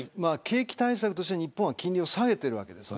景気対策として日本は金利を下げています。